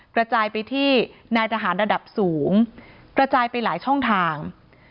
กระจายไปที่นายทหารระดับสูงกระจายไปหลายช่องทาง